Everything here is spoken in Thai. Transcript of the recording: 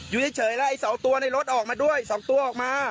อยู่เฉยแล้วไอ้๒ตัวในรถออกมาด้วย๒ตัวออกมา